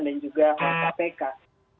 dan juga oleh kpk